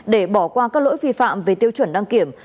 để bỏ qua các lỗi vi phạm về tiêu chuẩn đăng kiểm